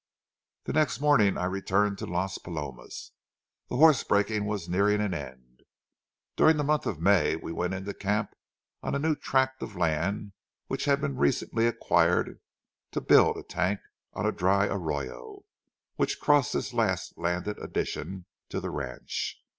The next morning I returned to Las Palomas. The horse breaking was nearing an end. During the month of May we went into camp on a new tract of land which had been recently acquired, to build a tank on a dry arroyo which crossed this last landed addition to the ranch.